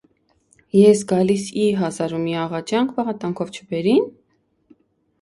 ես գալիս ի՞, հազար ու մի աղաջանք-պաղատանքով չբերի՞ն: